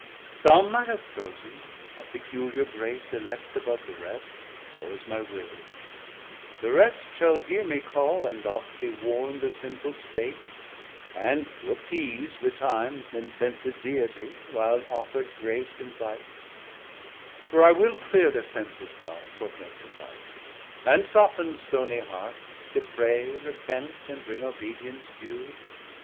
Some I have chosen of peculiar grace Elect above the rest; so is my will: The rest shall hear me call, and oft be warnd Thir sinful state, and to appease betimes Th' incensed Deitie, while offerd grace Invites; for I will cleer thir senses dark, What may suffice, and soft'n stonie hearts To pray, repent, and bring obedience due.